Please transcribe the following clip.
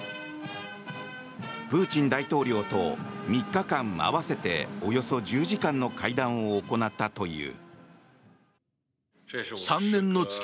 プーチン大統領と３日間合わせておよそ１０時間の会談を行ったという。